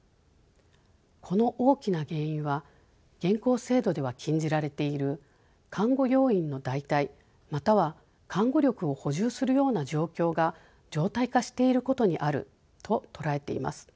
この大きな原因は現行制度では禁じられている看護要員の代替または看護力を補充するような状況が常態化していることにあると捉えています。